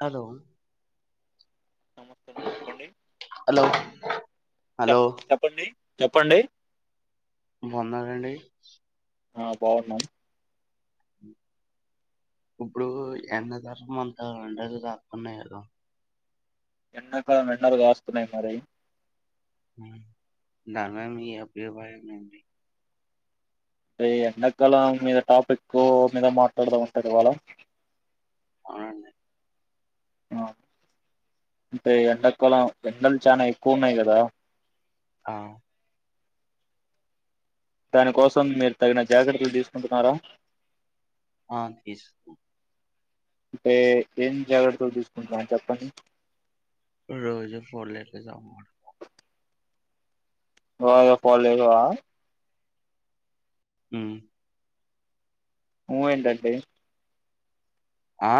Hello నమస్తే చెప్పండి hello hello చెప్ చెప్పండి చెప్పండి బాగున్నారండి ఆ బావున్నాన్ [unintelligible] ఎండాకాలం ఎండాలు కాస్తున్నాయి మరి దాని మీద మీ అభ్యుబాయం ఏంటి ఏ ఎండాకాలం మీద టాపిక్ మీద మాట్లాడదమంతటివలా అవునండి ఆ అంటే ఎడాకాలం ఎండలు చానా ఎక్కువ ఉన్నాయి కదా ఆ దాని కోసం మీరు తగిన జాగ్రత్తలు తీసుకుంటున్నారా అ తీసుకు అంటే ఏం జాగ్రత్తలు తీసుకుంటున్నారు చెప్పండి [unintelligible] పో లెగవా ఉం ఊ ఎంటండి ఆ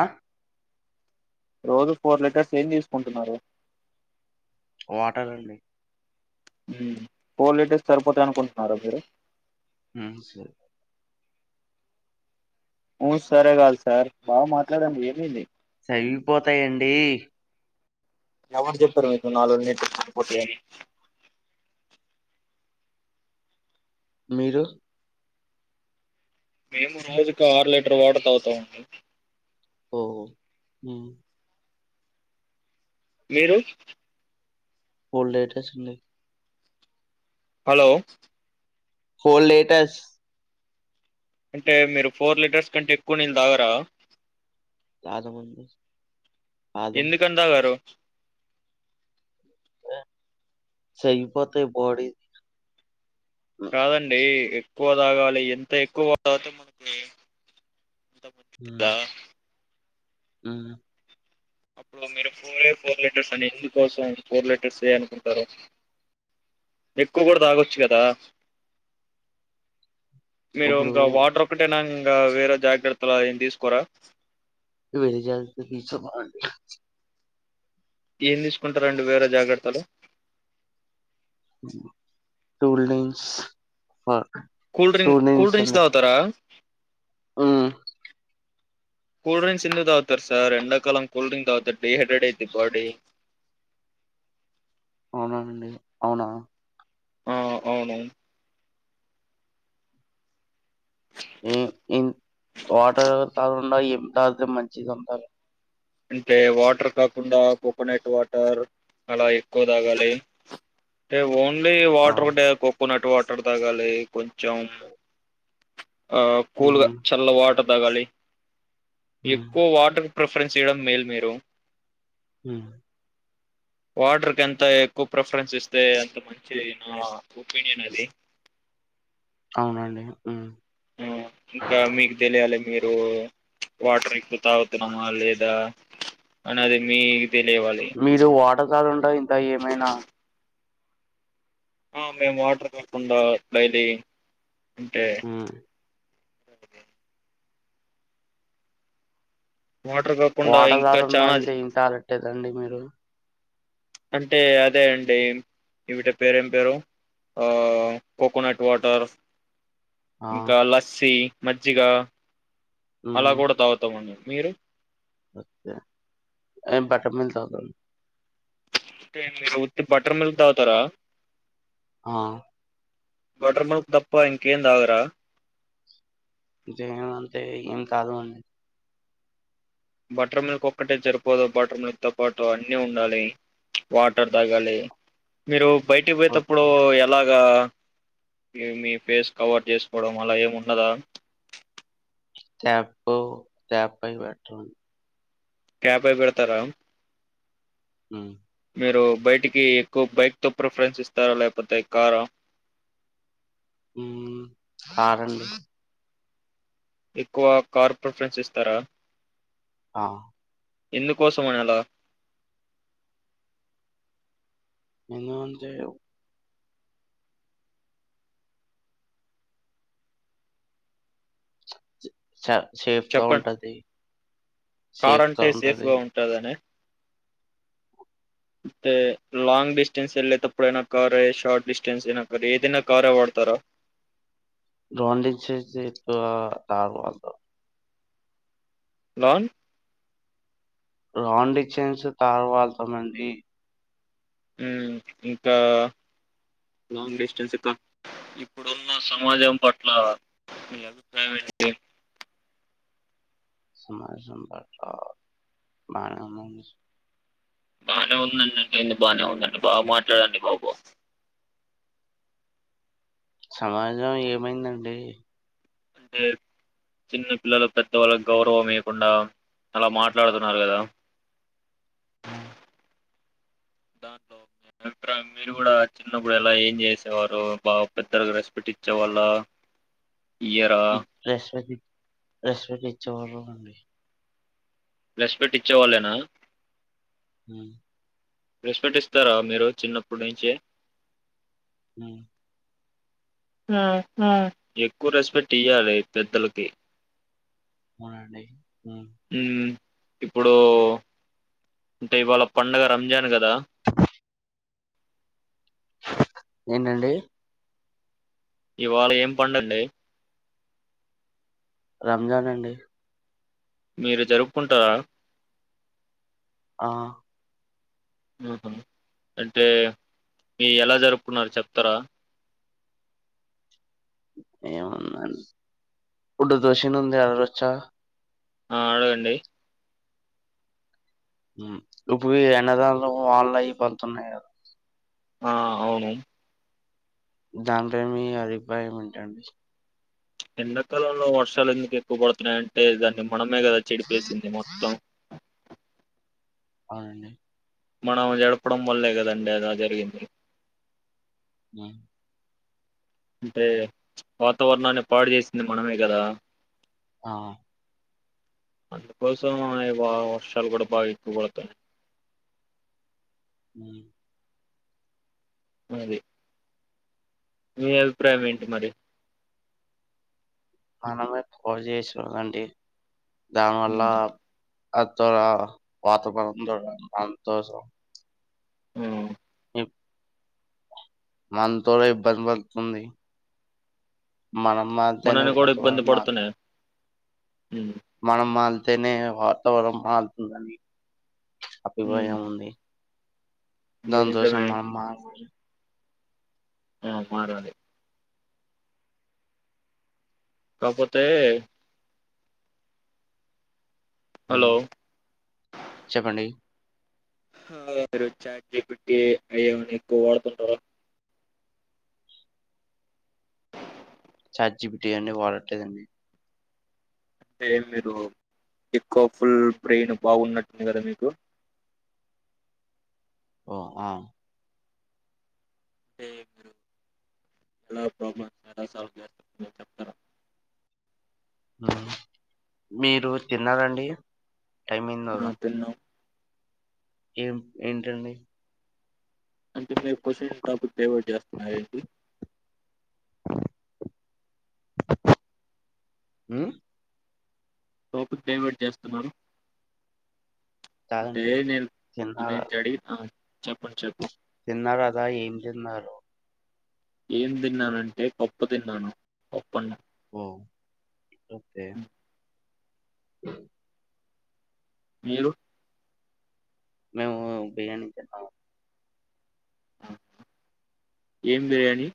రోజు ఫోర్ లీటర్స్ ఏం తీసుకుంటున్నారు వాటర్ అండి ఫోర్ లిటర్స్ సరిపోతాయి అనుకుంటున్నారా మీరు ఉం స ఉం సరే కాదు సార్ బాగా మాట్లాడండి ఏమైంది తగిలిపోతాయండి ఎవరు చెప్తారు మీకు నాలుగు లిటర్లు సరిపోతాయాని మీరు మేము రోజుకు ఆరు లీటర్ తావుతామండి ఓహో ఉం మీరు ఫోర్ లిటర్స్ అండి హలో ఫోల్ లేటస్ అంటే మీరు ఫోర్ లీటర్స్ కంటే ఎక్కువ నీళ్లు తాగరా తాగ మండి ఎందుకన్ తాగారు సైపోతే బాడీ కాదండి ఎక్కువ తాగాలి ఎంత ఎక్కువ తాతే మనకు ఉం ఆహ్ అప్పుడు మీరు ఫోరే ఫోర్ లీటర్స్ అని ఎందుకోసారి ఫోర్ లెటర్స్ ఏ అనుకుంటారు ఎక్కువ కూడా తాగొచ్చు కదా మీరు ఇప్పుడు ఇంకా వాటర్ ఒకటేనా ఇంకా వేరే జాగ్రత్తలు ఏం తీసుకోరా వేరే జాగ్రత్తలు తీసు [unintelligible] ఏం తీసుకుంటారండి వేరే జాగ్రత్తలు cool drinks far cool drink cool drinks దాగుతారా హు కూల్ డ్రింక్స్ ఎందుకు తాగుతారు సార్ ఎండాకాలం కూల్ డ్రింక్ తాగుతారు డిహైడ్రేట్ అయితది బాడీ అవునానండి అవునా ఆ అవునవును హ్మ్ హ్మ్ వాటర్ కాకుండా ఎం తాగుతే మంచిదంటారు అంటే వాటర్ కాకుండా కోకోనట్ వాటర్ అలా ఎక్కువ తాగాలి అంటే ఓన్ న్లీ వాటర్ ఒకటే కోకోనట్ ట్ వాటర్ తాగాలి కొంచెం ఆ కూల్గా మ్మ్ చల్ల వాటర్ తాగాలి మ్మ్ ఎక్కువ వాటర్ ప్రిఫరెన్స్ చేయడం మేలు మీరు హు వాటర్కి ఎంత ఎక్కువ ప్రిఫరెన్స్ ఇస్తే అంత మంచి నా ఒపీనియన్ అండి అవునండి ఉహ్ ఇంకా మీకు తెలియాలి మీరు వాటర్ ఎక్కువ తాగుతున్నామా లేదా అన్నది మీ మీరు వాటర్ కాకుండా ఇంకా ఏమైనా మేము వాటర్ కాకుండా డైలీ అంటే మ్మ్ అ వాటర్ కాకుండా ఇంకా చాలా చే తేగండి మీరు అంటే అదే అండి వీటి పేరేం పేరు ఆ కోకోనట్ వాటర్ ఆ ఇంకా లస్సీ మజ్జిగా అలా కూడా తాగుతామం అండి మీరు నేన్ బటర్ మిల్క్ తాగుతాను అంటే మీరు ఉత్తి బటర్ మిల్క్ దాగుతారా ఆ బటర్ మిల్క్ తప్ప ఇంకేం తాగరా జయం అంటే ఏం కాదు అండి బటర్ మిల్క్ ఒక్కటే సరిపోదు బటర్ మిల్క్ తో పాటు అన్ని ఉండాలి వాటర్ తాగాలి మీరు బయటికి పోయటప్పుడు ఓకే ఎలాగా మీ ఫేస్ కవర్ చేసుకోవడం అలా ఏముండదా తాపో తాపయినట్టు ఉంది క్యా పై పెడతారా ఉమ్ మీరు బయటికి ఎక్కువ బైక్ తో ప్రిఫరెన్స్ ఇస్తారా లేకపోతే కారా ఉమ్ కారు అండి ఎక్కువ కార్ ప్రిఫరెన్స్ ఇస్తారా ఆ ఎందుకోసమనీ అలా ఎందుకంటే సా చెప్పండి కార్ సేఫ్‌గా అంటే ఉంటది. సేఫ్గా ఉంటదని అంటే లాంగ్ డిస్టెన్స్ వెళ్ళే టప్పుడైనా కారే షార్ట్ డిస్టెన్స్ అయినా కారే ఏదైనా కారే వాడతారా లాంగ్ డిస్టెన్స్ కి కారు లో హలో లాంగ్ డిస్టెన్స్ కి కారులో వెళ్తామండి ఇంకా లాంగ్ డిస్టెన్స్ ఇప్పుడున్న సమాజం పట్ల మీ అభిప్రాయం ఏంటి సమాజం పట్ల [unintelligible] బానే ఉందండి బానే ఉందండి బాగా మాట్లాడండి బాబు సమాజం ఏమైందండి అంటే చిన్న పిల్లలు పెద్ద వాళ్ళకి గౌరవం ఇయ్యాకుండా అలా మాట్లాడుతున్నారు కదా ఆ దాంట్లో అభిప్రాయం మీరు కూడా చిన్నప్పుడు ఎలా ఏం చేసేవారు బా పెద్దగా రెస్పెక్ట్ ఇచ్చే వాళ్ళ [unintelligible] రెస్పెక్ట్ ఇచ్చేవారు అండి రెస్పెక్ట్ ఇచ్చే వాళ్లేనా ఉమ్ రెస్పెక్ట్ ఇస్తారా మీరు చిన్నప్పటి నుంచే ఉమ్ ఎక్కువ రెస్పెక్ట్ ఇయ్యాలి పెద్దలకి అవునండి హ్మ్. ఉమ్ ఇప్పుడు అంటే ఇవాళ పండగ రంజాన్ కదా ఏంటండి ఇవాళ ఏం పండుగ అండి రంజాన్ అండి మీరు జరుపుకుంటారా ఆ ఉహూ అంటే మీరు ఎలా జరుపుకున్నారు చెప్తారా ఏముందడి గుడు దోష ను ఉంది అడగొచ్చా ఆ అడగండి ఇప్పు ఎన్నదళ్లు వాన్ళ అయి పడుతున్నాయి కదా ఆ అవును దానిపై మీ అభిప్రాయం ఏంటండి ఎండాకాలంలో వర్షాలు ఎందుకు ఎక్కువ పడుతున్నాయి అంటే దాన్ని మనమే కదా చెడిపేసింది మొత్తం అడి మనం చదవడం వల్లే కదండి అలా జరిగింది బ అంటే వాతావరణాన్ని పాడు చేసింది మనమే కదా ఆ అందుకోసం వా వర్షాలు కూడా బాగా ఎక్కువ పడుతునాయి మ్మ్ హ్మ్ అది మీ అభిప్రాయం ఏంటి మరి మనమే పాడుచేశాం అండి మన వల్ల ఉమ్ అ తర వాతావరం చూడడం సంతోషం మ్మ్ మనతో ఇబ్బంది పడుతుంది మన మాధనే వాతావరణం మా హ మనం మల్తేనే వాతావరణం మల్తుందండి ఉమ్ అభిపయం ఉంది అది సంతోషం నిజమే మామ మారాలి కాకపోతే హలో చెప్పండి మీరు చాట్ జిపిటి అయి ఏం అయినా ఎక్కువ వాడుతుంటారు జిపిటి అన్ని వాడట్లేదు అండి అంటే మీరు ఎక్కువ ఫుల్ బ్రెయిన్ బాగున్నట్టుంది కదా మీకు ఆ అంటే మీరు ఎలా ప్రాబ్లమ్స్ ఎలా సాల్వ్ చేస్తారని చెప్తారా మీరు తిన్నారండి [inaudible] ఆ, తిన్నాం ఏం ఏంటండి అంటే మీరు కోషన్ టాపిక్ డైవర్ట్ చేస్తునారు ఏంటి అ టాపిక్ డైవర్ట్ చేస్తున్నారు దే కాదండి నేను నేను చెడి చెప్పండి చెప్పుం తిన్నారు కదా ఏం తిన్నారు ఏం ఉమ్, తిన్నానంటే [unintelligible] తిన్నాను అన్న ఓ ఓకే ఉమ్. అ మీరు మేము బిరియానీ తిన్నాము ఏం బిర్యానీ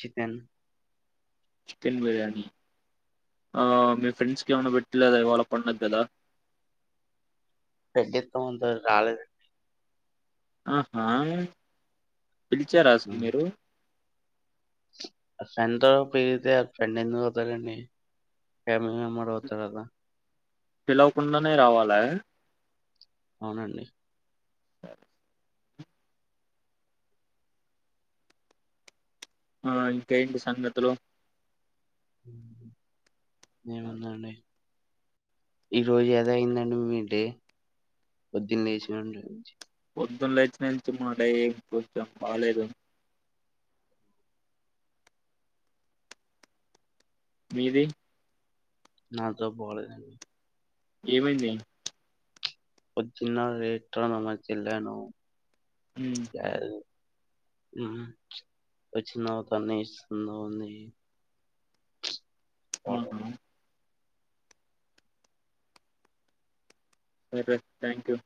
చికెన్ చికెన్ బిర్యానీ ఆ మీ ఫ్రెండ్స్కి ఏమనా పెట్టలేదా ఇవాళ పండగ కదా [unintelligible] రాలే అండి ఆహా పిలిచార అసలు ఉమ్. మీరు ఆ ఫ్రెండ్ తో పెరిగీతే ఫ్రెండ్ ఎందుకు అవుతారండి ఫ్యామిలీ మెంబర్ అవుతారు కదా పిలవకుండానే రావాలా అవునండి. ఆ ఇంకా ఏంటి సంగతులు ఏముందండి ఈ రోజు ఏదో అయిందండి మీడే పొద్దున లేచినుండి పొద్దున్న లేచ్చినంచి మా డే కొంచెం బాలలేదు మీది నాతో పోలేదు ఏమైంది వచ్చి [unintelligible] ఉమ్, [unintelligible] హు వచ్చినవు కానీ ఇస్తున్నావుని ఆర్ ఆహా సరే థ్యాంక్ యూ